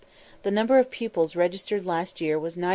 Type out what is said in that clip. The number of pupils registered last year was 9313.